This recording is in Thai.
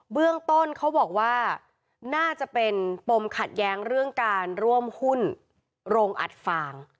เรื่องต้นเขาบอกว่าน่าจะเป็นปมขัดแย้งเรื่องการร่วมหุ้นโรงอัดฟาง